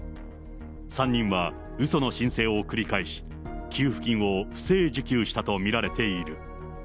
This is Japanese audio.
３人はうその申請を繰り返し、給付金を不正受給したと見られている。